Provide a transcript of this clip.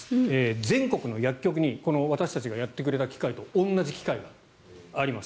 全国の薬局に私たちがやってくれた機械と同じ機械があります。